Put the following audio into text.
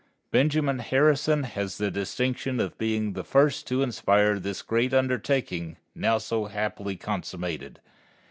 Benjamin Harrison has the distinction of being one of the first to inspire this great undertaking now so happily consummated.